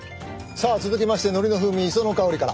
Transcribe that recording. さあ続きましてのりの風味磯の香りから。